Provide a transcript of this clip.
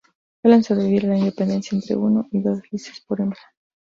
Suelen sobrevivir a la independencia entre uno y dos linces por hembra.